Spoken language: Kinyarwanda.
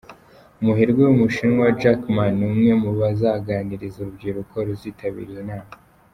Umuherwe w’Umushinwa Jack Ma ni umwe mu bazaganiriza urubyiruko ruzitabira iyi nama.